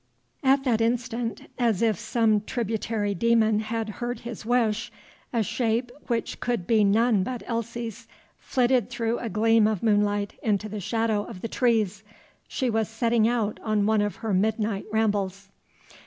At that instant, as if some tributary demon had heard his wish, a shape which could be none but Elsie's flitted through a gleam of moonlight into the shadow of the trees. She was setting out on one of her midnight rambles.